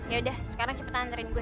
ya udah sekarang cepet nganterin gue